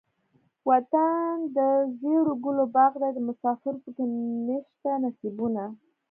وطن دزيړو ګلو باغ دے دمسافرو پکښې نيشته نصيبونه